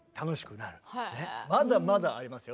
まだまだありますよ。